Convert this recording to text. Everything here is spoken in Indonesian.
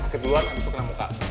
kedua habis itu kena muka